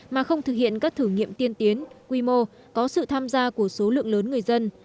mà không thực hiện các thử nghiệm tiên tiến quy mô có sự tham gia của số lượng lớn người dân